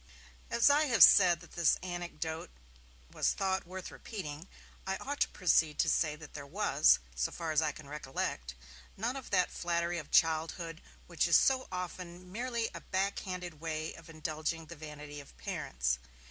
As I have said that this anecdote was thought worth repeating, I ought to proceed to say that there was, so far as I can recollect, none of that flattery of childhood which is so often merely a backhanded way of indulging the vanity of parents.